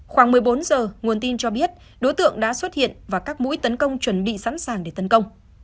khoảng một mươi bốn giờ nguồn tin cho biết đối tượng đã xuất hiện và các mũi tấn công chuẩn bị sẵn sàng để tấn công